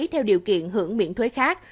theo điều kiện hưởng miễn thuế khác